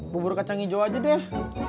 bubur kacang hijau aja deh